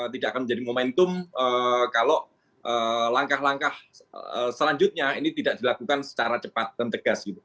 tidak akan menjadi momentum kalau langkah langkah selanjutnya ini tidak dilakukan secara cepat dan tegas